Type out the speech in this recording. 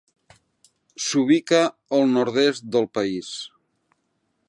S'ubica al nord-est del país.